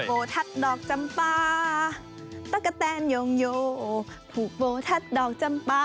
ภูโบทัดดอกจำป่าภูโบทัดดอกจำป่า